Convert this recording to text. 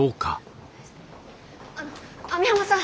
あの網浜さん！